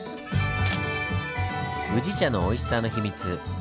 宇治茶のおいしさの秘密。